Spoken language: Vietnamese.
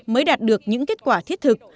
mới đạt được những kết quả thiết thực